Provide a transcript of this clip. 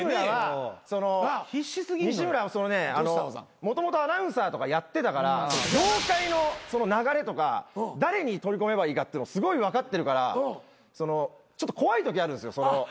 西村はもともとアナウンサーとかやってたから業界の流れとか誰に取り込めばいいかっていうのをすごい分かってるからちょっと怖いときあるんですよ。